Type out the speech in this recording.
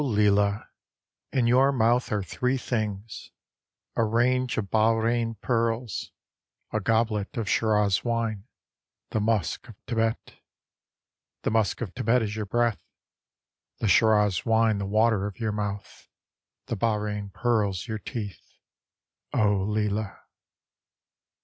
Leila I In your mouth are three things A range of Bahrain pearls, A goblet of Shiraz wine, The musk of Thibet ; The musk of Thibet is your breath, The Shiraz wine the water of your mouth, The Bahrain pearls your teeth. Oh I Leila!